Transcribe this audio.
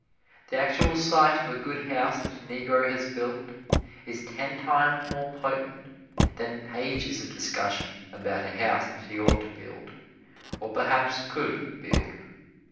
The actual sight of a good house that a Negro has built is ten times more potent than pages of discussion about a house that he ought to build, or perhaps could build.